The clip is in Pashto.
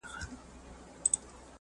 ¬ خوريی چي جوړوي، د ماما سر ورته کښېږدي.